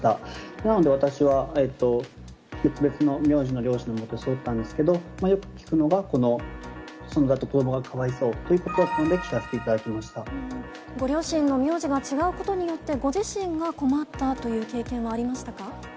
なので、私は別々の名字の両親のもと育ったんですけど、よく聞くのがこの子どもがかわいそうということだったので、ご両親の名字が違うことによって、ご自身が困ったという経験はありましたか？